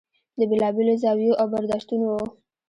د بېلا بېلو زاویو او برداشتونو و.